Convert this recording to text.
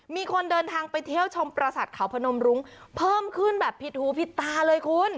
มีคนเดินทางไปเที่ยวชมประสาทเขาพนมรุ้งเพิ่มขึ้นแบบผิดหูผิดตาเลยคุณ